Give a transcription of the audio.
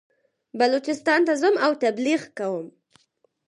بلوچستان ته ځم او تبلیغ کوم.